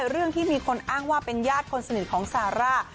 เรื่องที่มีคนอ้างว่าเป็นญาติคนสนิทของซาร่า